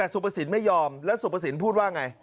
สุภสินไม่ยอมแล้วสุภสินพูดว่าไง